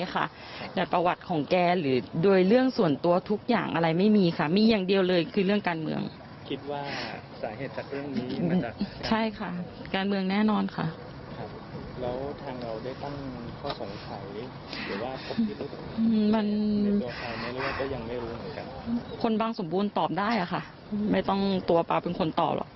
คนบางสมบูรณ์ตอบได้ค่ะไม่ต้องตัวเปล่าเป็นคนตอบหรอก